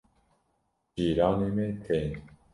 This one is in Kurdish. cîranê me tên